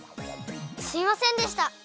すみませんでした。